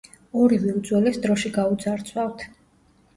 ორივე უძველეს დროში გაუძარცვავთ.